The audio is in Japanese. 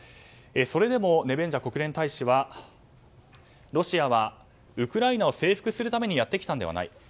それでもネベンジャ国連大使はロシアはウクライナを征服するためにやってきたのではない。